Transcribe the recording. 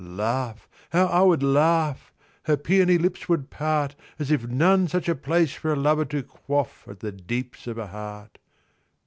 Laugh; how 'a would laugh! Her peony lips would part As if none such a place for a lover to quaff At the deeps of a heart.